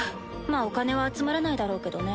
まあお金は集まらないだろうけどね。